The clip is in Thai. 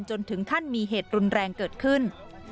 จนถึงขั้นมีเหตุรุนแรงเกิดขึ้น